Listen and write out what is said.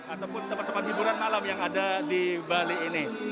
ataupun tempat tempat hiburan malam yang ada di bali ini